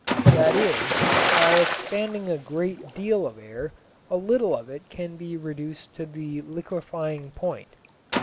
That is, by expanding a great deal of air, a little of it can be reduced to the liquefying point.